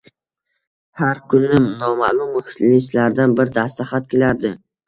Har kuni noma`lum muhlislardan bir dasta xat kelardi